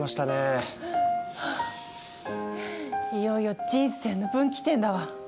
いよいよ人生の分岐点だわ。